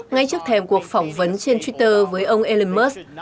ngay trước thềm cuộc phỏng vấn trên twitter với ông elon musk